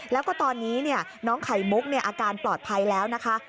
แล้วก็ตอนนี้น้องไข่มุกอาการปลอดภัยแล้วนะคะ